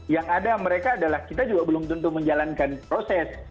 yang ada mereka adalah kita juga belum tentu menjalankan proses